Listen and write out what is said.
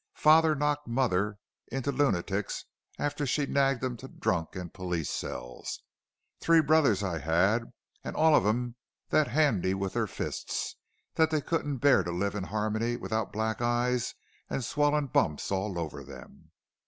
Father knocked mother int' lunatics arter she'd nagged 'im to drunk an' police cells. Three brothers I 'ad, and all of 'em that 'andy with their fistises as they couldn't a bear to live in 'armony without black eyes and swolled bumps all over them.